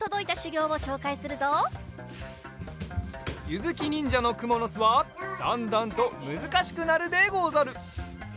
ゆづきにんじゃのくものすはだんだんとむずかしくなるでござる。